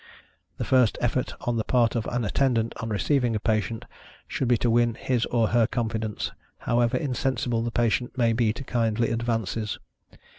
The first effort on the part of an Attendant, on receiving a patient, should be to win his or her confidence, however insensible the patient may be to kindly advances.